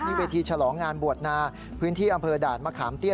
เวทีฉลองงานบวชนาพื้นที่อำเภอด่านมะขามเตี้ย